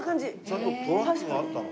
ちゃんとトラックがあったの？